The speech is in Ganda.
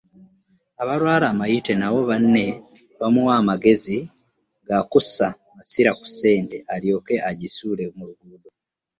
Abalwala amayute nabo banne bamuwa magezi ga kussa masira ku ssente, alyoke agisuule mu luguudo.